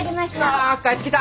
わ帰ってきた！